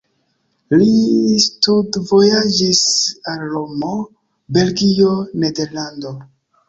Li studvojaĝis al Romo, Belgio, Nederlando.